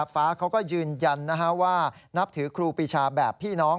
ฟ้าเขาก็ยืนยันว่านับถือครูปีชาแบบพี่น้อง